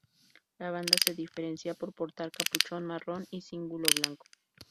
La Banda se diferencia por portar "capuchón" marrón y cíngulo blanco.